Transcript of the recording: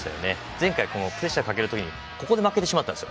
前回、プレッシャーかける時にここで負けてしまったんです。